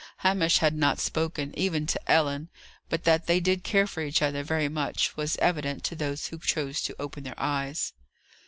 Hamish had not spoken, even to Ellen; but, that they did care for each other very much, was evident to those who chose to open their eyes.